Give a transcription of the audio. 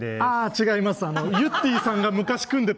違います。